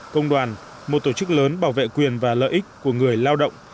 công đoàn một tổ chức lớn bảo vệ quyền và lợi ích của người lao động